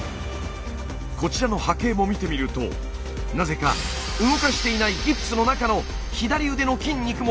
こちらの波形も見てみるとなぜか動かしていないギプスの中の左腕の筋肉も反応していたんです。